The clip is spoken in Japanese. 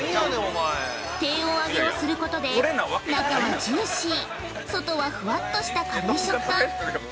低温揚げをすることで、中はジューシー、外はフワッとした軽い食感。